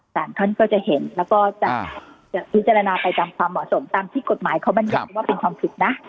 สารท่านก็จะเห็นแล้วก็จะพิจารณาไปตามความเหมาะสมตามที่กฎหมายเขาบรรยัติว่าเป็นความผิดนะ